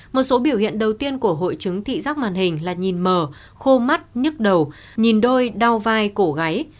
một số biểu hiện đầu tiên của hội chứng thị giác màn hình là nhìn mờ khô mắt nhức đầu nhìn đôi đao vai cổ gáy